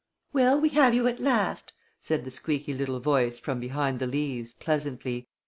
"Well, we have you at last," said the squeaky little voice from behind the leaves, pleasantly.